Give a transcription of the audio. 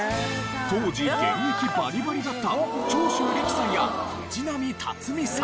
当時現役バリバリだった長州力さんや藤波辰爾さん。